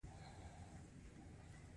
هغوی په موزون شعله کې پر بل باندې ژمن شول.